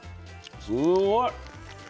すごい。